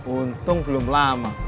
untung belum lama